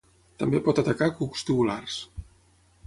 També pot atacar cucs tubulars.